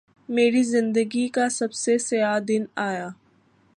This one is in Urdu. میری زندگی کا سب سے سیاہ دن آیا